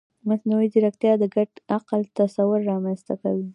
مصنوعي ځیرکتیا د ګډ عقل تصور رامنځته کوي.